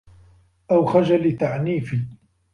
أَوْ خَجَلِ التَّعْنِيفِ